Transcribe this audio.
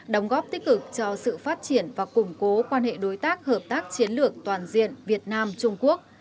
đóng góp tích cực cho sự phát triển và củng cố quan hệ đối tác hợp tác chiến lược toàn diện việt nam trung quốc